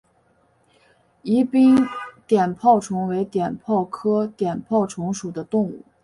宜宾碘泡虫为碘泡科碘泡虫属的动物。